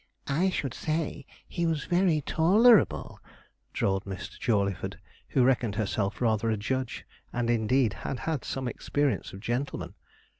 'I should say he was very toor lerable,' drawled Miss Jawleyford, who reckoned herself rather a judge, and indeed had had some experience of gentlemen.